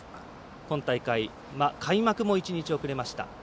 今大会、開幕も１日、遅れました。